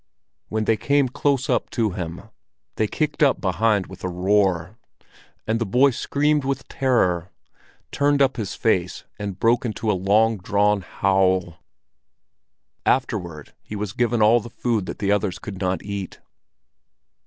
When they came close up to him, they kicked up behind with a roar, and the boy screamed with terror, turned up his face and broke into a long drawn howl. Afterward he was given all the food that the others could not eat.